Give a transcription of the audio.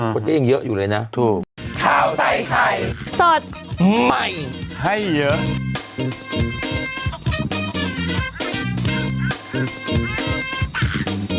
พอเต้ยยังเยอะอยู่เลยนะถูก